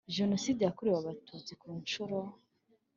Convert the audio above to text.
Jenoside yakorewe abatutsi kunshuro